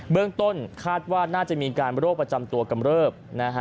เรื่องต้นคาดว่าน่าจะมีการโรคประจำตัวกำเริบนะฮะ